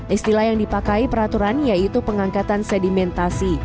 istilah yang dipakai peraturan yaitu pengangkatan sedimentasi